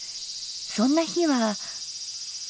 そんな日は。